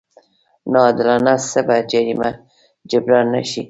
ناعادلانه څه جريمه جبران نه شي.